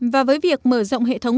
và với việc mở rộng hệ thống